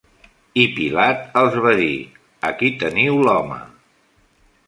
I Pilat els va dir: "Aquí teniu l'home!".